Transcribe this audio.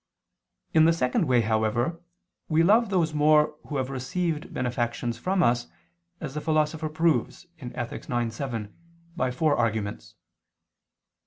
In the second way, however, we love those more who have received benefactions from us, as the Philosopher proves (Ethic. ix, 7) by four arguments.